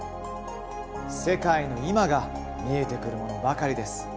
世界の今が見えてくるものばかりです。